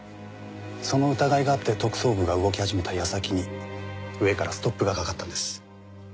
その疑いがあって特捜部が動き始めた矢先に上からストップがかかったんです。